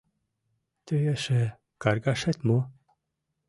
Тый эше каргашет мо?!.